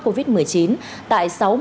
covid một mươi chín tại sáu mươi một